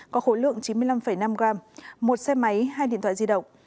có khối lượng chín mươi năm năm gram một xe máy hai điện thoại di động